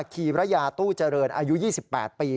คีระยาตู้เจริญอายุ๒๘ปี